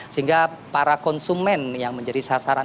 sehingga para konsumen yang menjadi sasaran